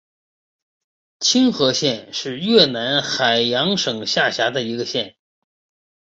青河县是越南海阳省下辖的一个县。